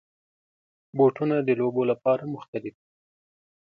بوټونه د لوبو لپاره مختلف وي.